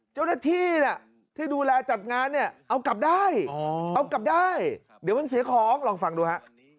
เจ้าหน้าที่ที่ดูแลจัดงานเนี่ยเอากลับได้เอากลับได้เดี๋ยวมันเสียของลองฟังดูฮะ